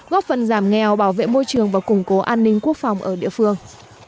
góp phần giảm nghèo bảo vệ môi trường và củng cố an ninh quốc phòng ở địa phương